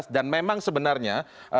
dan memang sebenarnya